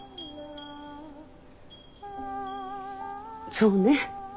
そうね。